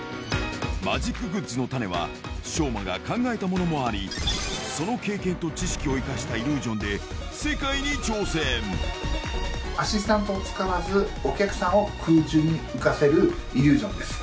マジックグッズの種は、将魔が考えたものもあり、その経験と知識を生かしたイリュージョアシスタントを使わず、お客さんを空中に浮かせるイリュージョンです。